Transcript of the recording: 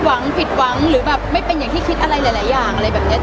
หวังผิดหวังหรือแบบไม่เป็นอย่างที่คิดอะไรหลายอย่างอะไรแบบนี้